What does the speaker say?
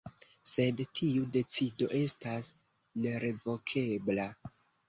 Sed tiu decido estas nerevokebla.